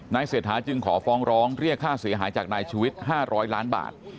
นายเสียท้าจึงขอฟ้องร้องเรียกค่าเสียหายจากนายชูวิตห้าร้อยล้านบาท